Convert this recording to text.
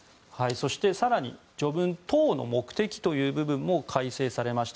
そして、更に序文党の目的という部分も改正されました。